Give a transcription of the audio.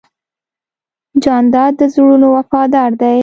جانداد د زړونو وفادار دی.